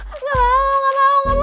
enggak mau enggak mau